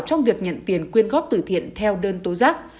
trong việc nhận tiền quyên góp tử thiện theo đơn tố giác